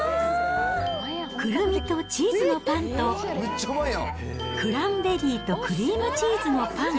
クルミとチーズのパンと、クランベリーとクリームチーズのパン。